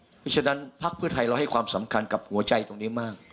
เพราะฉะนั้นพักเพื่อไทยเราให้ความสำคัญกับหัวใจตรงนี้มาก